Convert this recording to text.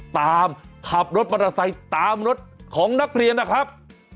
ตามขับรถมันจะใส่ตามรถของนักเรียนนะครับ